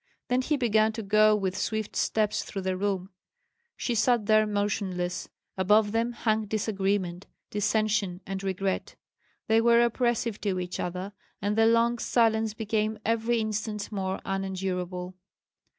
Then he began to go with swift steps through the room. She sat there motionless. Above them hung disagreement, dissension, and regret. They were oppressive to each other, and the long silence became every instant more unendurable.